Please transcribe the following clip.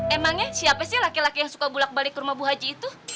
emangnya siapa sih laki laki yang suka bulak balik ke rumah bu haji itu